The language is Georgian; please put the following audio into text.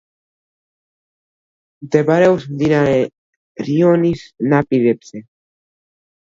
მდებარეობს მდინარე რიონის ნაპირებზე.